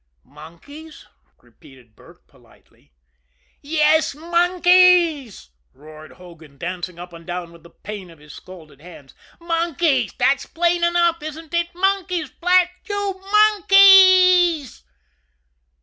"Monkeys?" repeated Burke politely. "Yes, monkeys!" roared Hogan, dancing up and down with the pain of his scalded hands. "Monkeys that's plain enough, ain't it? Monkeys, blast you! MONKEYS!"